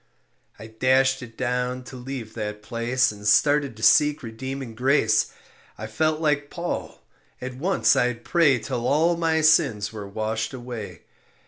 I dashed it down to leave that place And started to seek redeeming grace. I felt like Paul, at once I'd pray Till all my sins were washed away.